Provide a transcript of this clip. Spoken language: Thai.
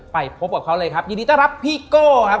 ไปพบกับเขาเลยครับยินดีต้อนรับพี่โก้ครับ